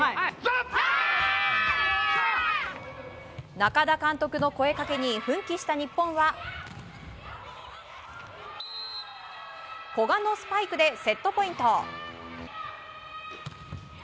中田監督の声かけに奮起した日本は古賀のスパイクでセットポイント。